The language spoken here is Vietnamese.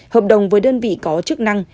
hợp đồng với đơn vị có chức năng